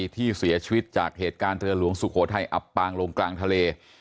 ที่เสียชีวิตจากเหตุการณ์เรือหลวงสุโขทัยอับปางลงกลางทะเล